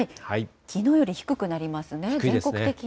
きのうより低くなりますね、低いですね。